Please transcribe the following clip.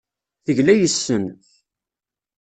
Tegla yes-sen.